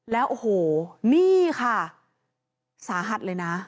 แล้วโอ้โหนี่ค่ะสาหัสเลยนะ